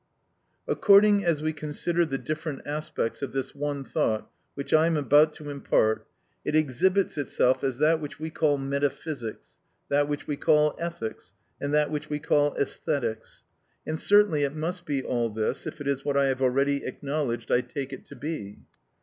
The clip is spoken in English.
_ (Hist. nat. 7, 1.) According as we consider the different aspects of this one thought which I am about to impart, it exhibits itself as that which we call metaphysics, that which we call ethics, and that which we call æsthetics; and certainly it must be all this if it is what I have already acknowledged I take it to be.